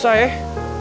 saya ber penetrate